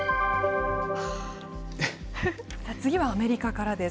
次はアメリカからです。